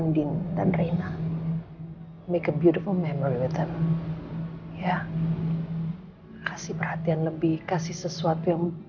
temat orang tamku di dalam dunia merekaidency